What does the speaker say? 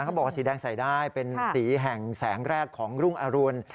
เขาบอกว่าสีแดงใส่ได้เป็นสีแห่งแสงแรกของรุ่งอรุณ